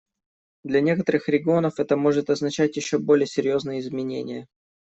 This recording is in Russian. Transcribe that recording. Для некоторых регионов это может означать еще более серьезные изменения.